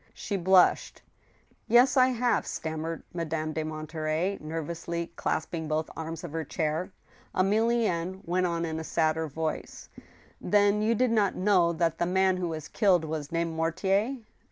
She blushed. "Yes, I have," stammered Madame de Monterey, nervoudy clasping both arms of her chair, Emilienne went on in a sadder voice :" Then you did not know that the man who was killed was named Mortier